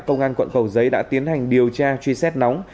công an quận cầu giấy đã tiến hành điều tra truy xét nóng